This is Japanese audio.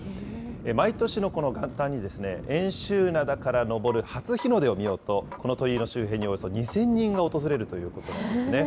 毎年のこの元旦に、遠州灘から昇る初日の出を見ようと、この鳥居の周辺におよそ２０００人が訪れるということなんですね。